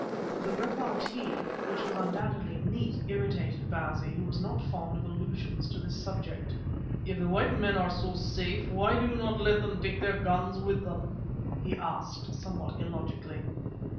The repartee, which was undoubtedly neat, irritated Bausi, who was not fond of allusions to this subject. "If the white men are so safe, why do you not let them take their guns with them?" he asked, somewhat illogically.